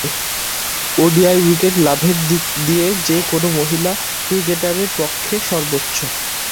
ODI wicket লাভের দিক দিয়ে যে-কোন মহিলা ক্রিকেটারের পক্ষে সর্বোচ্চ।